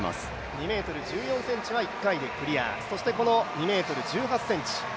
２ｍ１４ｃｍは１回でクリア、そしてこの２ｍ１８ｃｍ。